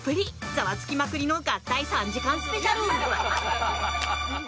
ザワつきまくりの合体３時間スペシャル。